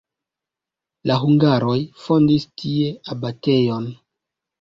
La hungaroj fondis tie abatejon.